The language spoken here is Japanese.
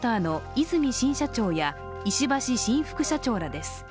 和泉新社長や、石橋新副社長らです